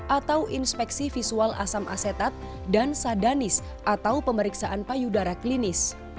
atau inspeksi visual asam asetat dan sadanis atau pemeriksaan payudara klinis